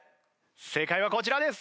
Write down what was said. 正解はこちらです。